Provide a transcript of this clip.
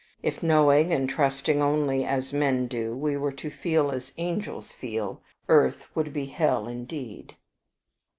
If, knowing and trusting only as men do, we were to feel as angels feel, earth would be hell indeed."